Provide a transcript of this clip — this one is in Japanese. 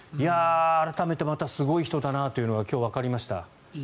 改めてまたすごい人だなというのが今日、わかりました。